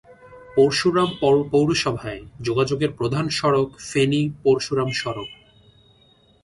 পরশুরাম পৌরসভায় যোগাযোগের প্রধান সড়ক ফেনী-পরশুরাম সড়ক।